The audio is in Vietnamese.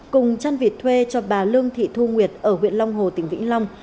cùng chăn việt thuê cho bà lương thị thu nguyệt ở huyện long hồ tỉnh vĩnh long